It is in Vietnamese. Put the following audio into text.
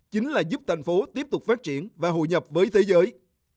chính là giúp thành phố tiếp tục phát triển và hội nhập với thế giới